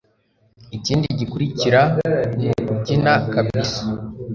ikindi gikurikira nukubyina kabisa